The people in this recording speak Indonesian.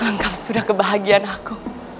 lengkap sudah kebahagiaan aku